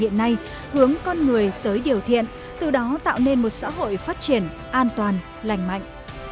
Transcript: hiện nay hướng con người tới điều thiện từ đó tạo nên một xã hội phát triển an toàn lành mạnh